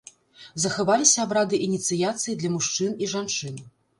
Захаваліся абрады ініцыяцыі для мужчын і жанчын.